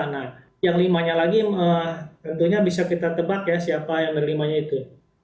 nah yang limanya lagi tentunya bisa kita tebak ya siapa yang berlimanya itu